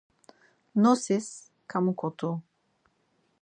Nosis kamukotu.